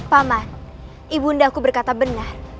paman ibu undaku berkata benar